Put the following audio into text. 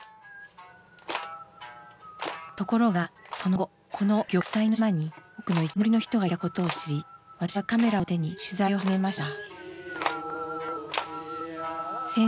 ところがその後この玉砕の島に多くの生き残りの人がいたことを知り私はカメラを手に取材を始めました。